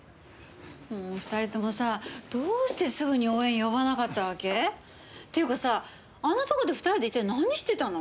もう２人ともさどうしてすぐに応援呼ばなかったわけ？っていうかさあんなとこで２人で一体何してたの？